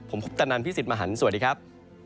ผมคุปตะนันพี่สิทธิ์มหันฯสวัสดีครับ